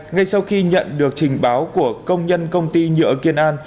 ngay sau khi nhận được trình báo của công nhân công ty nhựa kiên an